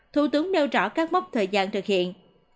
thủ tướng nêu rõ các mốc thời gian thực hiện